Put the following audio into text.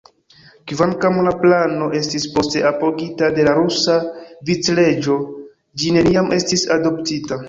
Kvankam la plano estis poste apogita de la rusa vicreĝo, ĝi neniam estis adoptita.